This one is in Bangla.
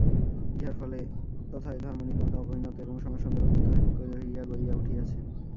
ইহার ফলে তথায় ধর্ম নিতান্ত অপরিণত এবং সমাজ সুন্দর উন্নত হইয়া গড়িয়া উঠিয়াছে।